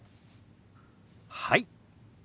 はい。